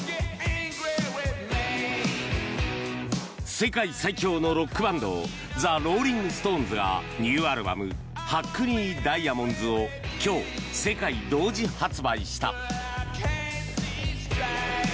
世界最強のロックバンドザ・ローリング・ストーンズがニューアルバム「ハックニー・ダイアモンズ」を今日、世界同時発売した。